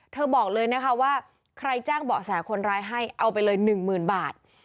บอกเลยนะคะว่าใครแจ้งเบาะแสคนร้ายให้เอาไปเลย๑๐๐๐บาท